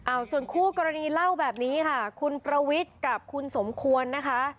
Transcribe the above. เอาส่วนคู่กรณีเล่าแบบนี้ค่ะคุณประวิทย์กับคุณสมควรนะคะ